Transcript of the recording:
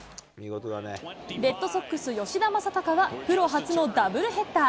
レッドソックス、吉田正尚は、プロ初のダブルヘッダー。